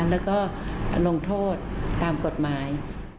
แล้วก็ลงโทษตามกฎหมาย